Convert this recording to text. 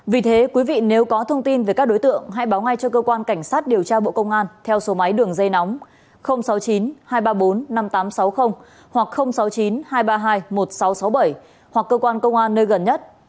vì thế quý vị nếu có thông tin về các đối tượng hãy báo ngay cho cơ quan cảnh sát điều tra bộ công an theo số máy đường dây nóng sáu mươi chín hai trăm ba mươi bốn năm nghìn tám trăm sáu mươi hoặc sáu mươi chín hai trăm ba mươi hai một nghìn sáu trăm sáu mươi bảy hoặc cơ quan công an nơi gần nhất